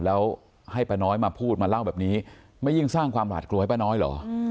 แล้วให้ป้าน้อยมาพูดมาเล่าแบบนี้ไม่ยิ่งสร้างความหวาดกลัวให้ป้าน้อยเหรอ